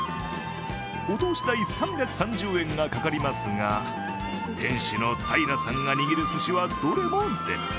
お通し代３３０円がかかりますが、店主の平良さんが握る寿司はどれも絶品。